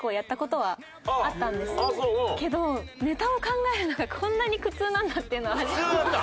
ただけどネタを考えるのがこんなに苦痛なんだっていうのは初めて。